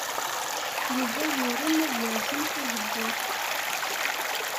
Yuba yurem ad yerẓem tazewwut.